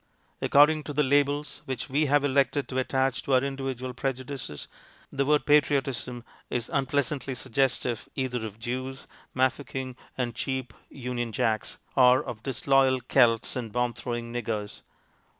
According to the labels which we have elected to attach to our individual pre judices, the word patriotism is unpleasantly suggestive either of Jews, Mafeking, and cheap Union Jacks, or of disloyal Celts and bomb throwing niggers.